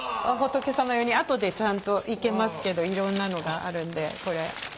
あとでちゃんと生けますけどいろんなのがあるんでこれ。